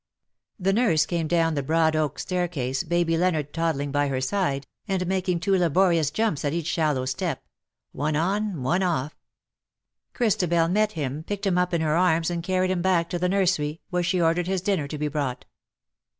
The nurse came down the broad oak staircase, baby Leonard toddling by her side, and making two laborious jumps at each shallow step — one on — one off. Christabel met him, picked him up in her arms, and carried him back to the nursery, where she ordered his dinner to be brought.